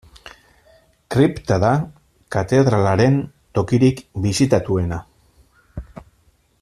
Kripta da katedralaren tokirik bisitatuena.